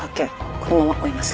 このまま追います。